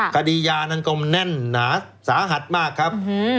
คดียานั้นก็แน่นหนาสาหัสมากครับ